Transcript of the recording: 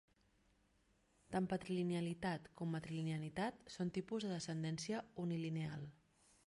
Tant patrilinealitat com matrilinealitat són tipus de descendència unilineal.